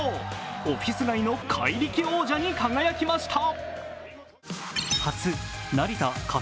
オフィス街の怪力王者に輝きました。